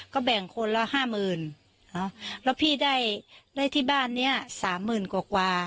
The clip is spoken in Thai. ก็แบ่งคนละห้าหมื่นแล้วพี่ได้ได้ที่บ้านเนี้ยสามหมื่นกว่า